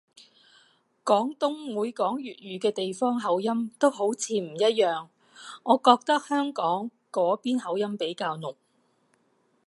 廣東每講粵語嘅地方口音好似都唔一樣，我覺得香港嗰邊口音比較濃